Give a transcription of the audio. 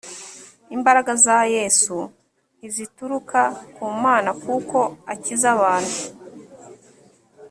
imbaraga za yesu ntizituruka ku mana kuko akiza abantu